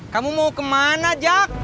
kamu mau kemana jack